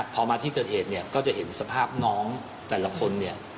พอมาที่เกิดเหตุก็จะเห็นสภาพน้องแต่ละคน